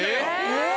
えっ！